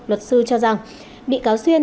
luật sư cho rằng bị cáo xuyên